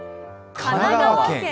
神奈川県！